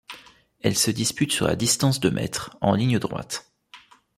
Elle se dispute sur la distance de mètres, en ligne droite.